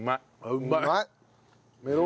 うまいね。